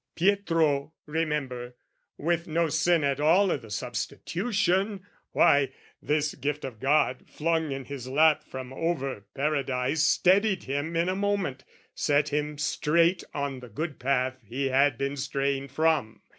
Pietro, remember, with no sin at all I' the substitution, why, this gift of God Flung in his lap from over Paradise Steadied him in a moment, set him straight On the good path he had been straying from.